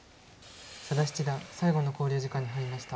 佐田七段最後の考慮時間に入りました。